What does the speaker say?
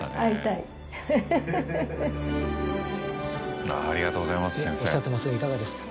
いかがですか？